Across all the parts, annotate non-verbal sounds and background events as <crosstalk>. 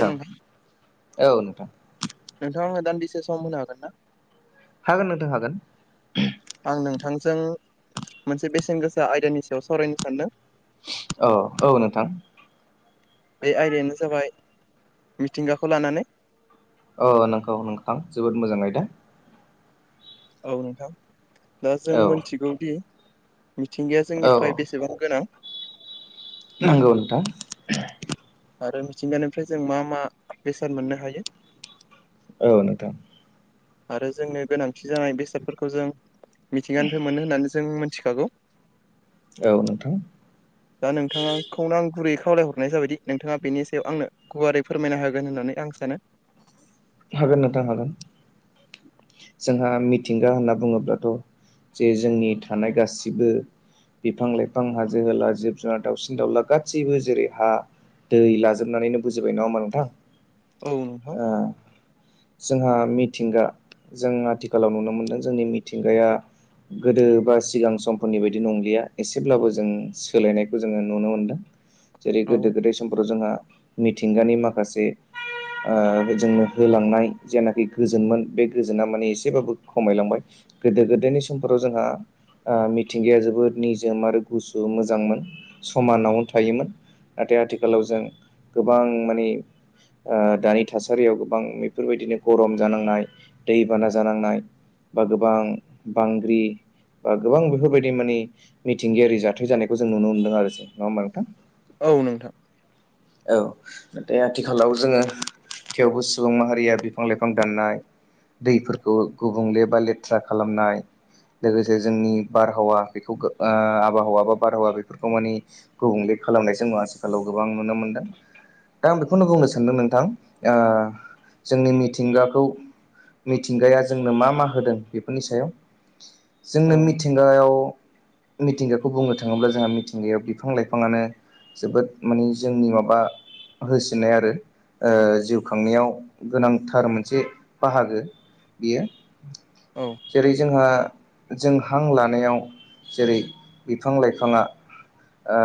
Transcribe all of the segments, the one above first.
औ नोंथां औ नोंथां नोंथाङा आंनो दान्दिसे सम होनो हागोन ना हागोन नोंथां हागोन आं नोंथांजों मोनसे बेसेन गोसा आयदानि सायाव सावरायनो सानदों। औ औ नोंथां। बे आयदायानो जाबाय मिथिंगाखौ लानानै अ नंगौ नोंथां जोबोद मोजा आयदा औ नोंथां दा जों औ मिथिगौदि मिथिंगाया जोंनि औ थाखाय बेसेबां गोनां नांगौ नोंथां आरो मिथिंगानिफ्राय जों मा मा बेसाद मोननो हायो। औ नोंथां। आरो जोंनो गोनांथि जानाय बेसादफोरखौ जों मिथिंगानिफ्राय मोनो होननानै जों मिथिखागौ। औ नोंथां। दा नोंथाङाखौनो आं गुरैयै खावलायहरनाय जाबायदि नोंथाङा बेनि सायाव आंनो गुवारै फोरमायनो होगोन होननानै आं सानो। हागोन नथां हागोन, जोंहा मिथिंगा होनना बुङोब्लाथ' जे जोंनि थानाय गासिबो बिफां लाइफां हाजो होला जिब जुनार दाावसिन दाउला गासैबो जेरै हा दै लाजोबनानैनो बुजिबाय नङा होमब्ला नोंथां? औ नोंथां। जोंहा मिथिंगा जों आथिखालाव नुनो मोनदों जोंनि मिथिंगाया गोदो बा सिगां समफोरनि बायदि नंलिया एसेब्लाबो जों सोलायनायखौ जोङो नुनो मोनदों। <inaudible> जेरै गोदो-गोदाय समफोराव जोंहा मिथिंगानि माखासे, ओ जोंनो होलांनाय जेनाखि गोजोनमोन बे गोजोना माने एसेबाबो खमायलांबाय। गोदो गोदायनि समफोराव जोंहा ओ मिथिंगाया जोबोद निजोम आरो गुसु मोजांमोन समानावनो थायोमोन। नाथाय आथिखालाव जों गोबां माने ओ दानि थासारियाव गोबां बेफोरबायदिनो गरम जानांनाय, दैबाना जानांनाय बा गोबां बांग्रि बा गोबां बेफोरबायदि माने मिथिंगायारि जाथाय जानायखौ जों नुनो मोनदों आरो, नंङा होमबा नोंथां? औ नोंथां। औ नाथाय आथिखालाव जोंङो थेवबो सुबुं माहारिया बिफां- लाइफां दाननाय दैफोरखौ गुबुंले बा लेथ्रा खालामनाय लोगोसे जोंनि बारहावा बेखौ आबहावा बा बारहावा बेफोरखौ माने गुबुंले खालामनाय जों आथिखालाव गोबां नुनो मोन दा आं बेखौनो बुंनो सानदों नोंथां ओ जोंनि मिथिंगाखौ मिथिंगाया जोंनो मा मा होदों बेफोरनि सायाव। जोंनो औ मिथिंगायाव मिथिंगाखौ बुंनो थांङोब्ला जोंहा मिथिंगायाव बिफां लाइफांङानो जोबोद मानि जोंनि माबा बा होसिन्नाय आरो ओ जिउ खांनायाव गोनांथार मोनसे बाहागो। बियो औ। जेरै जोंहा जों हां लानायाव जेरै बिफां लाइफांङा ओ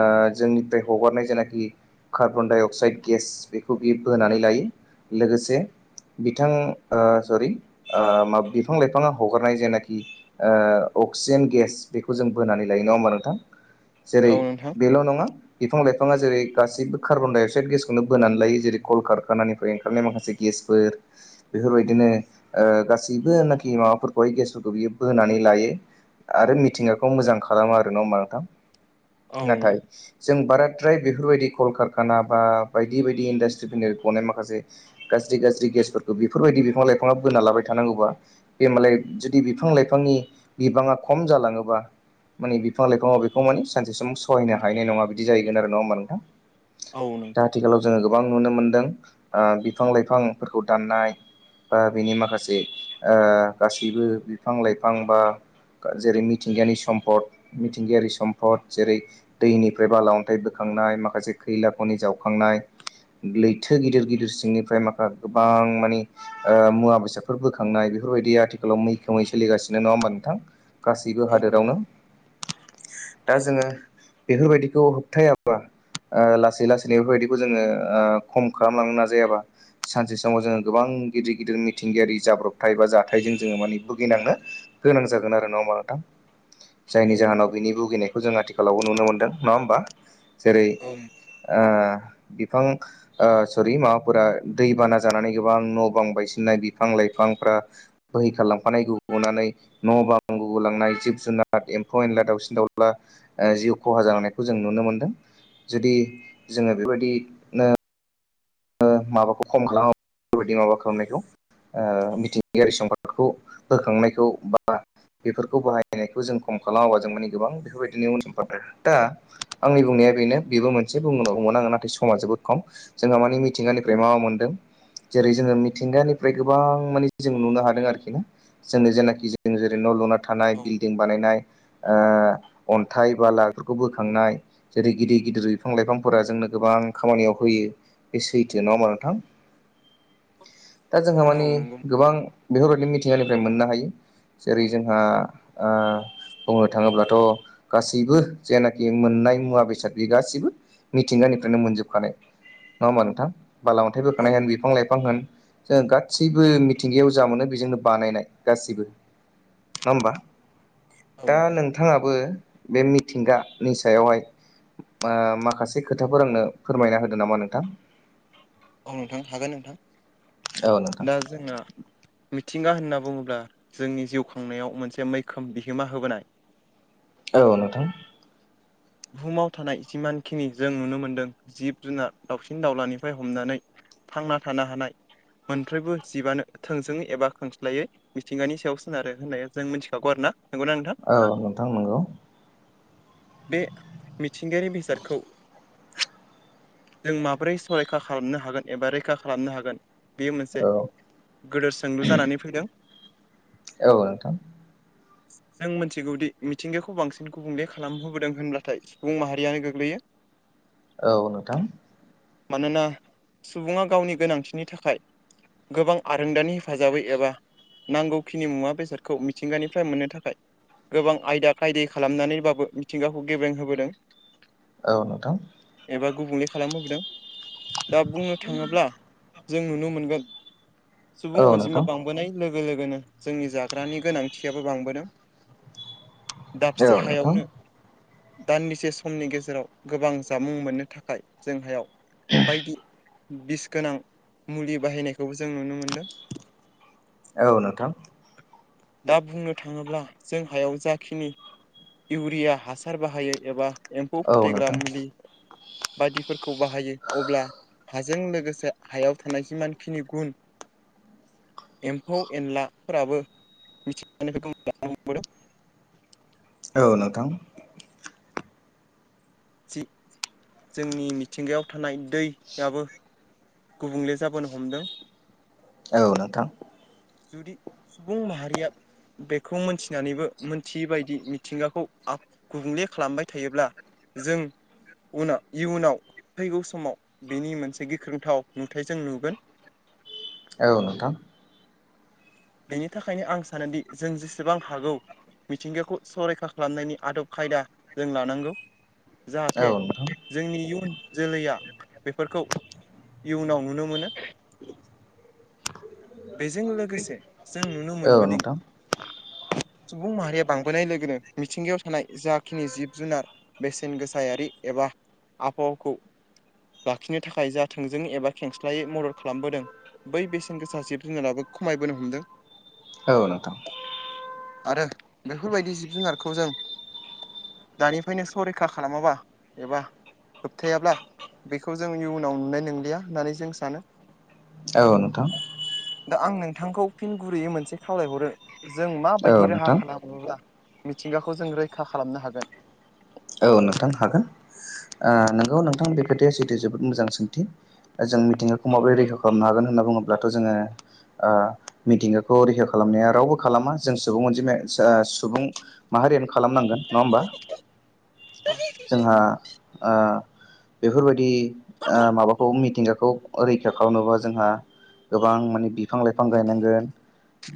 जोंनिफ्राय हगारनाय जेनाखि कार्बन डाइ अक्साइड गेस बेखौ बियो बोनानै लायो। लोगोसे बिथां सरि माब बिफां लाइफाङा हगारनाय जेनाखि ओ अक्सिजेन गेस बेखौ जों बोनानै लायो नङा होमबा नोंथां? जेरै औ नोंथां बेल' नङा बिफां लाइफाङा जेरै गाससिबो कार्बन डाइ अक्साइद गेसखौनो बोनानै लायो जेरै कल कारखानानिफ्राय ओंखारनाय माखासे गेसफोर। बेफोरबायदिनो ओ गासैबो नाखि माबाफोरखौहाय गेसफोरखौ बियो बोनानै लायो। आरो मिथिंगाखौ मोजां खालामा आरो नंङा होनबा नोंथां? औ नों नाथाय जों बाराद्राय बेफोरबायदि कलकार खाना बा बायदि बायदि इन्डास्ट्रिफोरनि गनाय माखासे गाज्रि गाज्रि गेसफोरखौ बेफोरबायदि बिफां लाइफांङाआ बोना लाबाय थानांगौबा बे मालाय जुदि बिफां लाइफांनि बिबांङा खम जांलाङोबा माने बिफां लाइफाङाव बेखौ माने सानसे सम सहायनो हैनाय नंङा बिदि जाहैगोन आरो, नंङा होनोमबा नोंथां? औ दा नोंथां आथिखालाव जोंङो गोबां नुनो मोनदों, बिफां लाइफांफोरखौ दाननाय बा बेनि माखासे ओ गासैबो बिफां लाइफां बा जेरै मिथिंगायारि सम्पद मिथिंगायारि सम्पद जेरै दैनिफ्राय बाला अन्थाइ बोखांनाय माखासे खैला खनि जावखांनाय लैथो गिदिर गिदिर सिंनिफ्राय माखा गोबां माने ओ मुवा बेसादफोर बोखांनाय बेफोरबायदि आथिखालाव मैखोमै सोलिगासिनो नङा होमबा नोंथां? गासैबो औ नोंथां हादोरावनो। दा जोङो बेफोरबायदिखौ होबथायाबा ओ लासै लासै इफोरबायदिखौ जोङो ओ खम खालामलांनो नाजायाबा सानसे समाव जोङो गोबां गिदिर गिदिर मिथिंगायारि जाब्रबथाय बा जाथायजों जोङो माने भुगिनांनो गोनां जागोन आरो नङा होमबा नोंथां? जायनि औ जाहोनाव नोंथां बिनि भुगिनायखौ जों आथिखालावबो नुनो मोनदों नङा होमबा जेरै औ ओ बिफां ओ सररि माबाफोरा दैबाना जानानै गोबां न' बां बायसिननाय बिफां लाइफांफ्रा बोहै खारलांफानायखौ नुनानै न' बां गुबुलांनाय जिब जुनार एम्फौ एनला दाउसिन दाउला ओ जिउ खहा जालांनायखौ जों नुनो मोन्दों। जुदि जोङो बेबायदि ओ माबाखौ खम खालाम बेफोरबायदि माबा खालामनायखौ ओ मिथिंगायारि सम्पदफोरखौ बोखांनायखौ बा बेफोरखौ बाहायनायखौ जों खम खालामाबा जों माने गोबां बेफोरबायदिनो उन <unintelligible> दा आंनि बुंनाया बेनो बेबो मोनसे बुंबोनांगौमोन आङो नाथाय समा जोबोद खम जोंहा मानि थिंगानिफ्राय मा मा मोनदों जेरै जोङो मिथिंगानिफ्राय गोबां माने जों नुनो हादों आरोखि जोंनो जेनाखि जों जेरै न' लुना थानाय औ बिल्डिं बानायनाय ओ अन्थाइ बाला फोरखौ बोखांनाय जेरै गिदिर गिदिर बिफां लाइफांफोरा जोंनो गोबां खामानियाव होयो। बे सैथो नङा होमबा नोंथां दा जोंहा औ माने नंगौ गोबां बेफोरबायदि मिथिंगानिफ्राय मोननो हायो जेरै जोंहा ओ बुंनो थाङोब्लाथ' गासैबो जेनाखि मोननाय मुवा बेसाद बे गासैबो मिथिंगानिफ्रायनो मोनजोबखानाय नङा होमबा नोंथां बाला अन्थाइ औ बोखांनाय होन बिफां लाइफां होन जों गादसैबो मिथिंगायाव जा मोनो बेजोंनो बानायनाय गासिबो नङा होमबा औ दा नोंथां नों थाङाबो बे मिथिंगानि सायावहाय मा-माखासे खोथाफोर आंनो फोरमायना होदो नामा नोंथां? औ नोंथां हागोन नोंथां औ नोंथां दा जोंना मिथिंगा होनना बुङोब्ला जोंनि जिउ खांनायाव मोनसे मैखोम बिहोमा होबोनाय। औ नोंथां। बुहुमाव थानाय जिमानखिनि जों नुनो मोन्दों जिब जुनार दावसिन दाउलानिफ्राय हमनानै थांना थानो हानाय मोनफ्रोयबो जिबानो थोंजोङै एबा खोंस्लायै मिथिंगानि सायाव सोनारो होननाय जों मिथिखागौ आरो ना नंगौना नोंथां? औ नोंथां नंगौ। बे मिथिंगायारि बेसादखौ जों माबोरै संरैखा खालामनो हागोन एबा रैखा खालामनो हागोन बेयो मोनसे औ गोदोर सोंलु जानानै फैदों। औ नोंथां। जों मिन्थिगौदि मिथिंगाखौ बांसिन गुबुंले खालामहोबोदों होनब्लाथाय सुबुं माहारियानो गोग्लैयो। औ नोंथां। मानोना सुबुङा गावनि गोनांथिनि थाखाय गोबां आरोंदानि हेफाजाबै एबा नांगौखिनि मुवा बेसादखौ मिथिंगानिफ्राय मोननो थाखाय गोबां आयदा खायदै खालामनानैबाबो मिथिंगाखौ गेब्रें होबोदों। औ नोंथां। एबा गुबुंले खालामहबोदों दा बुंनो थाङोब्ला जों नुनो मोनगोन सुबुं औ नोंथां अनजिमा बां बोनाय लोगो लोगोनो जोंनि जाग्रानि गोनांथियाबो बांबोदों। दाबसे औ नोंथां हायावनो दान्दिसे समनि गेजेराव गोबां जामुं मोननो थाखाय जों हायाव बायदि बिस गोनां मुलि बाहायनायखौबो जों नुनो मोन्दों। औ नोंथां दा बुंनो थाङोब्ला जों हायाव जाखिनि इउरिया हासार बाहायो एबा एम्फौ औ फोथैग्रा नोंथां मुलि बायदिफोरखौ बाहायो अब्ला हाजों लोगोसे हायाव थानाय जिमानखिनि गुन एम्फौ एनलाफोराबो मिथिंगानिफ्राय <unintelligible> औ नोंथां जि जोंनि मिथिंगायाव थानाय दै याबो गुबुंले जाबोनो हमदों औ नोंथां जुदि सुबुं माहारिया बेखौ मोनथिनानैबो मोनथियै बायदि मिथिंगाखौ आ गुबुंले खालामबाय थायोब्ला जों उनाव इयुनाव फैगौ समाव बेनि मोनसे गिख्रोंथाव नुथाय जों नुगोन औ नोंथां बेनि थाखायनो आं सानोदि जों जेसेबां हागौ मिथिंगाखौ संरैखा खालामनायनि आदब खायदा जों लानांगौ औ नोंथां जाहाथे औ नोंथां जोंनि इयुन जोलैया बेफोरखौ इयुनाव नुनो मोनो बेजों लोगोसे जों नुनो औ मोनबोदों नोंथां सुबुं माहारिया बांबोनाय लोगोनो मिथिंगायाव थानाय जाखिनि जिब जुनार बेसेन गोसायारि एबा आबहावाखौ लाखिनो थाखाय जाथोंजों एबा खेंस्लायै मदद खालामबोदों बै बेसेन गोसा जिब जोङोलाबो खमायबोनो हमदों औ नोंथां आरो बेफोरबायदि जिब जुनारखौ जों दानिफ्रायनो सरैखा खालामाबा एबा होबथायाब्ला बेखौ जों इयुनाव नुनाय नंलिया होननानै जों सानो औ नोंथां दा आं नोंथांखौ फिन गुरैयै मोनसे खावलायहरो जों औ माबायदि राहा नोंथां खालामो ला मिथिंगाखौ जों रैखा खालामनो हागोन औ नोंथां हागोन ओ नोंगौ नोंथां बे खोथाया जिहेथु जोबोद मोजां सोंथि जों मिथिंगाखौ माबोरै रैखा खालामनो हागोन होनना बुङोब्लाथ' जोङो ओ मिथिंगाखौ रेह खालामनाया रावबो खालामा जों सुबुं मोनसे सुबुं माहारियानो खालामनांगोन नङा होमबा <unintelligible> जोंहा ओ बेफोरबायदि ओ माबाखौ मिथिंगाखौ रैखा खालामनोबा जोंहा गोबां माने बिफां लाइफां गायनांगोन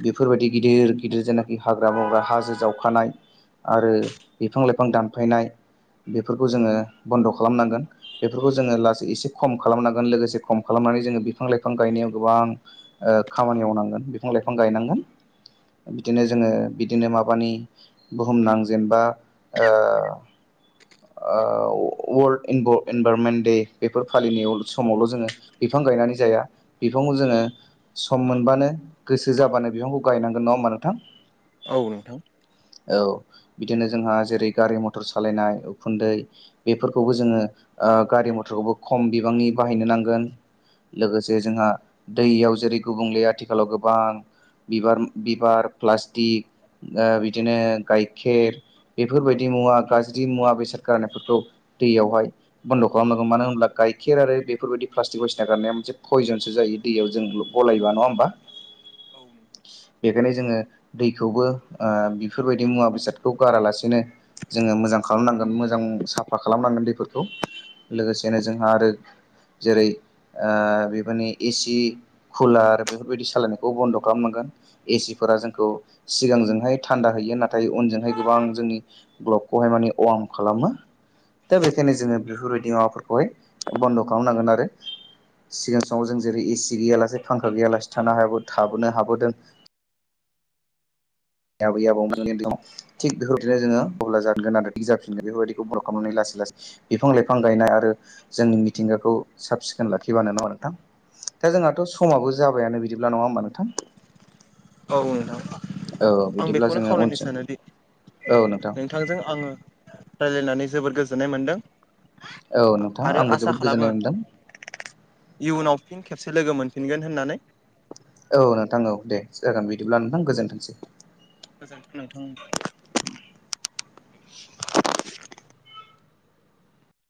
बेफोरबायदि गिदिर गिदिर जेनाखि हाग्रा बंग्रा हाजो जावखानाय आरो बिफां लाइफां दानफायनाय बेफोरखौ जोङो बन्द' खालामनांगोन बेफोरखौ जोङो लासै एसे खम खालामनांगोन लोगोसे खम खालामनानै जोङो बिफां लाइफां गायनायाव गोबां ओ खामानि मावनांगोन बिफां लाइफां गायनांगोन बिदिनो जोङो बिदिनो माबानि बुहुमनां जेनबा ओ <inaudible> ओ वर्ल्ड इनभ इनभारमेन्ट दे बेफोर फालिनाय समावल' जोङो बिफां गायनानै जाया। बिफांखौ जोंङो सम मोनबानो गोसो जाबानो बिफांखौ गायनांगोन। नंङा होमबा नोंथां औव नोंथां। औ बिदिनो जोंहा जेरै गारि मथर सालायनाय उखुन्दै बेफोरखौबो जोंङो गारि मथरखौबो खम बिबांनि बाहायनो नांगोन। लोगोसे जोंहा दैयाव जेरै गुबुंले आथिखालाव गोबां बिबार बिबार प्लास्टिक बिदिनो गाइखेर बेफोरबायदि मुवा गाज्रि मुवा बेसाद गनायफोरखौ दैयावहाय बन्द' खालामनांगोन मानो होनोबब्ला गाइखेर आरो बेफोरबायाददि प्लास्टिक बयदिसिना गारनाया मोनसे पयजनसो जायो। दैयाव जों गलब नंङा होमबा औ नों बेखायनो जोंङो दैखौबो बेफोरबायदि मुवा बेसादखौ गारालासिनो जोंङो मोजां खालामनांगोन मोजां साफा खालामनांगोन दैफोरखौ लोगोसेनो जोंहा आरो जेरै बेफोरनि एसि कुलार बेफोरबायदि सालायनायखौ बन्द' खालामनांगोन एसिफोरा जोंखौ सिगांजोंहाय थान्दा हैयो नाथाय उनजोंहाय गोबां जोंनि ग्लबखौहाय माने वार्म खालामो दा बेखायनो जोंङो बेफोरबायदि माबाफोरखौहाय बन्द' खालामनांगोन आरो। सिगां समाव जों जेरै एसि गैयालासे फांखा गैयालासे थानो हायो। थाबोनो हाबोदों आबै आबौ मोजांङैनो दं। थिग बेफोरबायदिनो जोंङो अब्ला जानगोन आरो बिजा फिनगोन बेफोरबायदिखौ मदद खालामनानै लासै लासै बिफां लाइफां गायनाय आरो जोंनि मिथिंगाखौ साब सिखोन लाखिबानो नांगोन नोंथां। दा जोंहाथ' समाबो जाबायानो बिदिब्ला नंङा होमबा नोंथां। औव नोंथां। औ आं बिदिब्ला बेखौनो जोंङो उनसै औ नोंथां। बिथांजों आंङो राय्लायनानै जोबोर गोजोननाय मोनदों। औ नोंथां आरो आंबो आसा जोबोद गोजोननाय खालामो। मोनदों इयुनाव फिन खेबसे लोगो मोनफिनगोन होननानै? औ नोंथां औ दे जागोन बिदिब्ला नोंथां गोजोन्थोंसै। गोजोन्थों नोंथांमोन